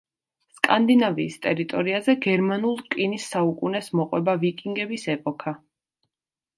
სკანდინავიის ტერიტორიაზე გერმანულ რკინის საუკუნეს მოყვება ვიკინგების ეპოქა.